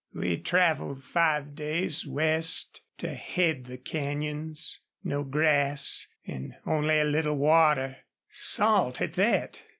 We traveled five days west to head the canyons. No grass an' only a little water, salt at thet.